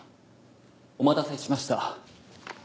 お待たせしました。